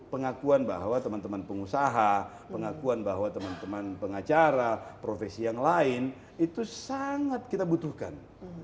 pengakuan bahwa teman teman pengusaha pengakuan bahwa teman teman pengacara profesi yang lain itu sangat kita butuhkan